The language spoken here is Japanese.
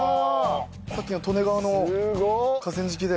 さっきの利根川の河川敷で。